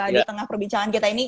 di tengah perbincangan kita ini